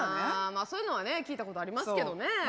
あまあそういうのはね聞いたことありますけどね。